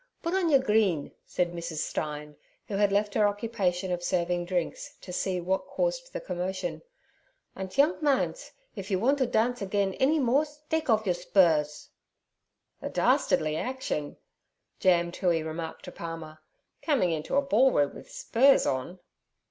Pud on yer green' said Mrs. Stein, who had left her occupation of serving drinks to see what caused the commotion. 'Andt, young mans, if you wandt der dance again any mores, dake off yous spurs.' 'A dastardly action' Jam Toohey remarked to Palmer, 'coming into a ballroom with spurs on.'